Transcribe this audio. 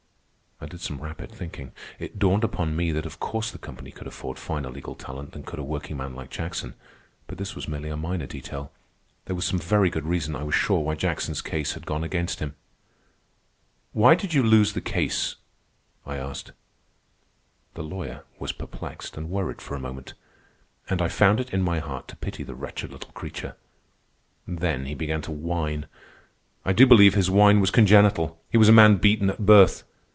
I did some rapid thinking. It dawned upon me that of course the company could afford finer legal talent than could a workingman like Jackson. But this was merely a minor detail. There was some very good reason, I was sure, why Jackson's case had gone against him. "Why did you lose the case?" I asked. The lawyer was perplexed and worried for a moment, and I found it in my heart to pity the wretched little creature. Then he began to whine. I do believe his whine was congenital. He was a man beaten at birth.